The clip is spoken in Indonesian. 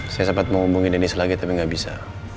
saya sempat mau hubungi deni selagi tapi gak bisa